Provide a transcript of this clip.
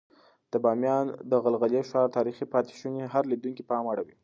د بامیانو د غلغلي ښار تاریخي پاتې شونې د هر لیدونکي پام اړوي.